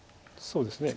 そうですね